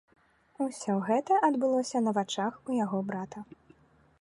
Усё гэта адбылося на вачах у яго брата.